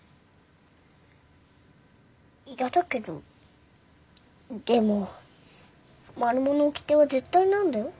嫌だけどでもマルモのおきては絶対なんだよ。